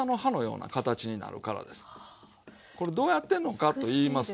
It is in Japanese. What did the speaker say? これどうやってんのかっていいますと。